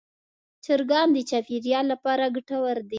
چرګان د چاپېریال لپاره ګټور دي.